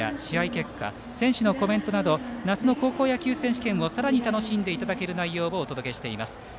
結果選手のコメントなど夏の高校野球選手権を楽しんでいただける内容をご用意しています。